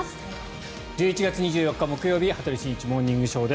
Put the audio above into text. １１月２４日、木曜日「羽鳥慎一モーニングショー」。